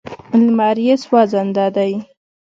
لمر یې سوځنده دی.